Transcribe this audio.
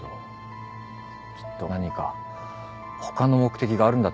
きっと何か他の目的があるんだと思います。